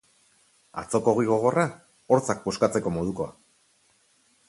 Atzoko ogi gogorra, hortzak puskatzeko modukoa.